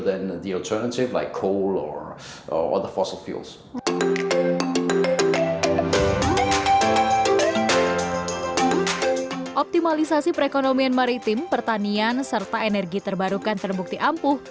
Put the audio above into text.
dan hal yang menarik saya pikir juga bagi negara lain adalah bahwa ini juga sumber energi yang sangat murah